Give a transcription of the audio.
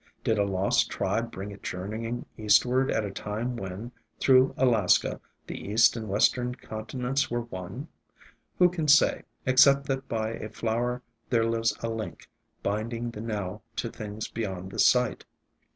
Did a lost tribe bring it journeying eastward at a time when, through Alaska, the east and western conti nents were one? Who can say, except that by a flower there lives a link, binding the now to things beyond the sight.